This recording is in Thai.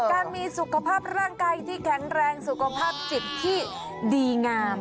การมีสุขภาพร่างกายที่แข็งแรงสุขภาพจิตที่ดีงาม